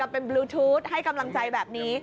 เป็นบลูทูธให้กำลังใจแบบนี้